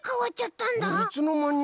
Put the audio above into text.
いつのまに？